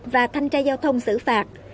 và thanh tra giao thông xử phạt